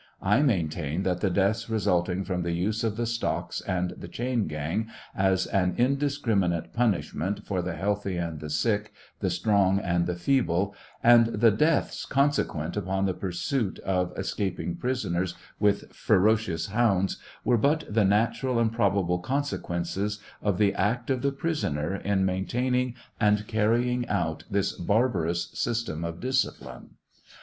I maintain that the deaths resulting from the use of the stocks and the chain gang as an indiscriminate punishment for the healthy and the sick, the strong and the feeble, and the deaths consequent upon the pursuit of escaping prisoners with ferocious hounds, were but the "natural and probable consequences" of the act of the prisoner in maintaining and carrying out this barbarous system of discipline.